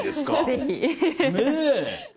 ぜひ！ねぇ！